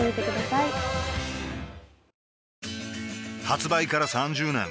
発売から３０年